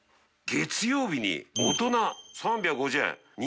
月曜日に大人３５０円。